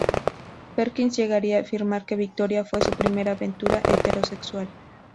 Perkins llegaría a afirmar que Victoria fue su primera aventura heterosexual.